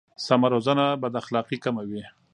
سمه روزنه بد اخلاقي کموي.